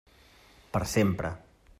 Per sempre.